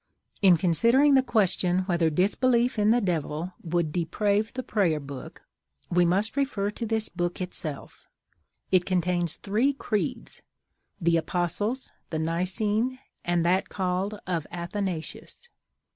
In considering the question whether disbelief in the Devil would "deprave" the Prayer Book, we must refer to this book itself. It contains three creeds—the Apostles', the Nicene, and that called of Athanasius.